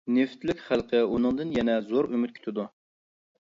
نېفىتلىك خەلقى ئۇنىڭدىن يەنە زور ئۈمىد كۈتىدۇ.